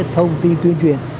thông tin tuyên truyền